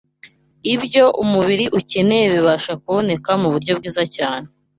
Ibyo umubiri ukeneye bibasha kuboneka ku buryo bwiza cyane